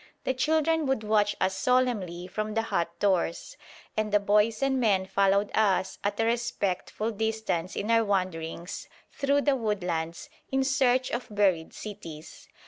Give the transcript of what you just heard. The children would watch us solemnly from the hut doors, and the boys and men followed us at a respectful distance in our wanderings through the woodlands in search of buried cities.